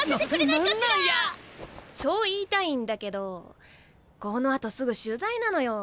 な何なんや！と言いたいんだけどこのあとすぐ取材なのよ。